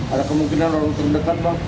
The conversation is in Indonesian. ada kemungkinan orang terdekat bang